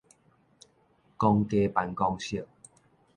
公家辦公室